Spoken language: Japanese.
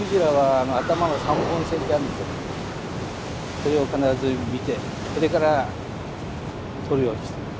それを必ず見てそれから獲るようにしてます。